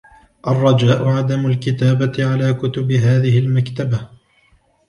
الرجاء عدم الكتاية على كتب هذه المكتبة